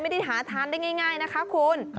ไม่ได้หาทานได้ง่ายนะคะคุณ